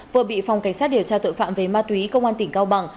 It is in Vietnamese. vừa bị phòng cảnh sát điều tra tội phạm về ma túy công an tỉnh cao bằng